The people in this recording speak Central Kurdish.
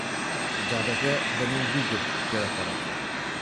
جادەکە بەنێو دوو گرد تێ دەپەڕێت.